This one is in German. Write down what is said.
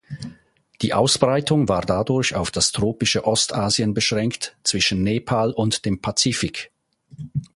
Die Ausbreitung war dadurch auf das tropische Ostasien beschränkt, zwischen Nepal und dem Pazifik.